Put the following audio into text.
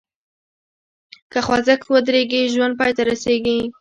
که خوځښت ودریږي، ژوند پای ته رسېږي.